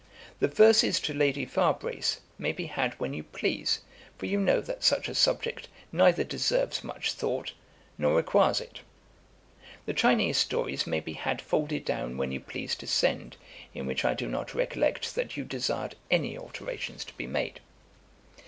The verses to Lady Firebrace may be had when you please, for you know that such a subject neither deserves much thought, nor requires it. 'The Chinese Stories may be had folded down when you please to send, in which I do not recollect that you desired any alterations to be made.